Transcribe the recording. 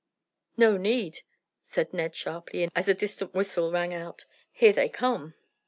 "No need," said Ned sharply, as a distant whistle rang out; "here they come."